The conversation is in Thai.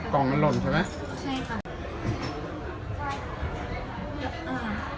กล่องมันหล่นใช่ไหมใช่ค่ะ